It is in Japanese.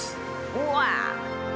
うわ！